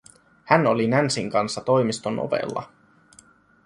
Hän oli Nancyn kanssa toimiston ovella.